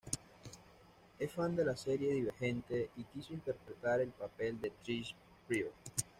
Es fan de la serie "Divergente" y quiso interpretar el papel de Tris Prior.